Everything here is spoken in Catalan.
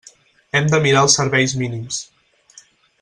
Hem de mirar els serveis mínims.